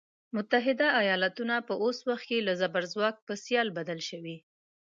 متحده ایالتونه په اوس وخت کې له زبرځواک په سیال بدل شوی.